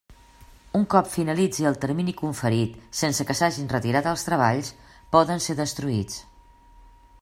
Un cop finalitzi el termini conferit sense que s'hagin retirat els treballs, poden ser destruïts.